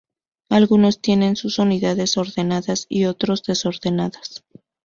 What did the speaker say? Algunos tienen sus unidades ordenadas y otros desordenadas.